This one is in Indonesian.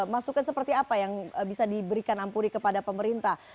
masukan seperti apa yang bisa diberikan ampuri kepada pemerintah